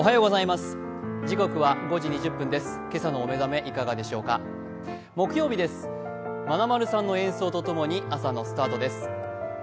まなまるさんの演奏と共に朝のスタートです。